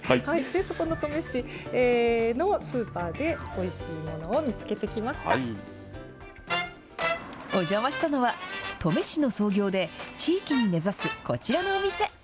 で、そこの登米市のスーパーでおお邪魔したのは、登米市の創業で地域に根ざすこちらのお店。